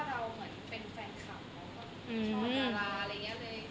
ช่อนราอะไรอย่างเงี้ยเลย